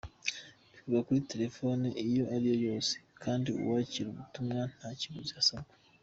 Bikorwa kuri telefoni iyo ariyo yose, kandi uwakira ubutumwa nta kiguzi asabwa.